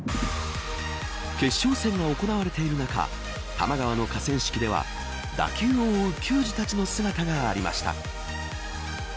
決勝戦が行われている中多摩川の河川敷では打球を追う球児たちの姿がありました。